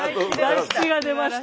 大吉が出ました。